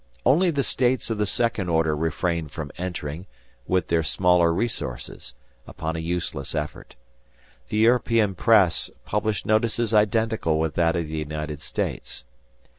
Only the states of the second order refrained from entering, with their smaller resources, upon a useless effort. The European press published notices identical with that of the United States.